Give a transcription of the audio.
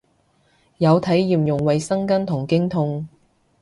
有體驗用衛生巾同經痛